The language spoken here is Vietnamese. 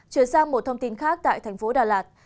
chuyển sang một thông tin khác tại tp đà lạt